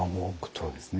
そうですね。